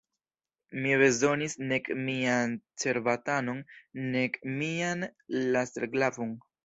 Mi bezonis nek mian cerbatanon, nek mian laserglavon.